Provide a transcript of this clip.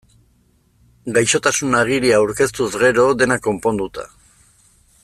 Gaixotasun-agiria aurkeztuz gero, dena konponduta.